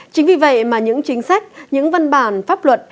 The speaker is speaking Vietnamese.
chính vì vậy mà những chính sách những văn bản pháp luật